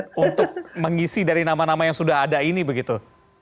untuk mengisi dari nama nama yang sudah ada ini begitu